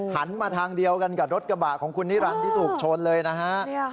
หันมาทางเดียวกันกับรถกระบะของคุณนิรันดิ์ถูกชนเลยนะฮะ